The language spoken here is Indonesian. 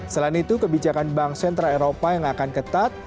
selain itu kebijakan bank sentral eropa yang akan ketat